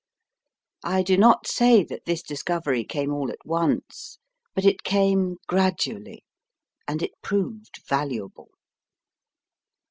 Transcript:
I do not say that this discover} came all at once, but it came gradually, and it proved valuable.